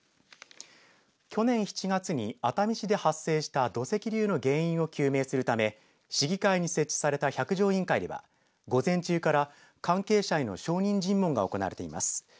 去年７月に熱海市で発生した土石流の原因を究明するため市議会に設置された百条委員会では午前中から関係者への証人尋問が行われています。